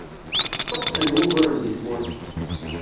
Ṭuqqten wuguren di tmurt-a.